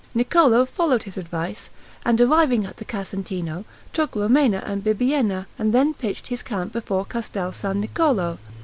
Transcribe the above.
Niccolo followed his advice, and arriving in the Casentino, took Romena and Bibbiena, and then pitched his camp before Castel San Niccolo.